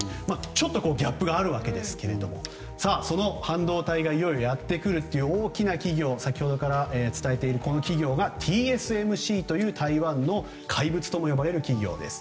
ちょっとギャップがありますがその半導体がいよいよやってくる大きな企業先ほどから伝えている企業がＴＳＭＣという台湾の怪物ともいわれる企業です。